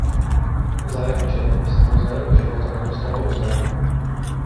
Za jeho činy se mu za jeho života nedostalo uznání.